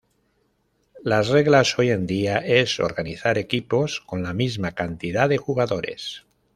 Las reglas hoy en día es organizar equipos con la misma cantidad de jugadores.